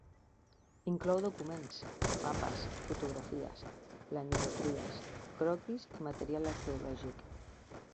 Inclou documents, mapes, fotografies, planimetries, croquis i material arqueològic.